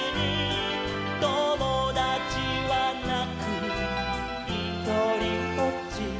「ともだちはなくひとりぽっち」